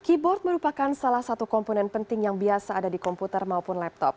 keyboard merupakan salah satu komponen penting yang biasa ada di komputer maupun laptop